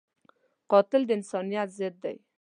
قاتل د انسانیت ضد دی